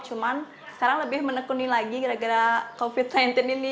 cuman sekarang lebih menekuni lagi gara gara covid sembilan belas ini